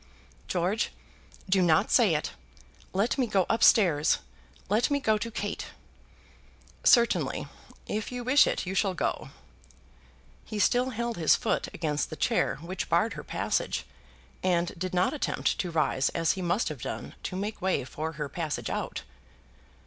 "George, do not say it. Let me go up stairs. Let me go to Kate." "Certainly; if you wish it you shall go." He still held his foot against the chair which barred her passage, and did not attempt to rise as he must have done to make way for her passage out.